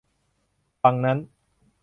ฝั่งนั้น